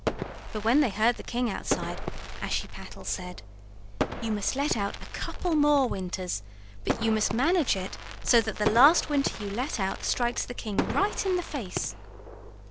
But when they heard the king outside Ashiepattle said: "You must let out a couple more winters, but you must manage it so that the last winter you let out strikes the king right in the face."